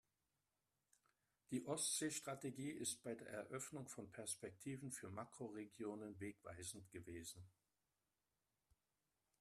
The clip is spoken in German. Die Ostsee-Strategie ist bei der Eröffnung von Perspektiven für Makroregionen wegweisend gewesen.